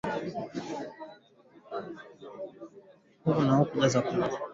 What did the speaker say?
huku Waziri wa Habari Nape Nnauye akisema ni tukio la kihistoria